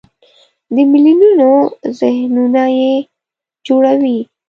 د میلیونونو ذهنونه یې جوړوي.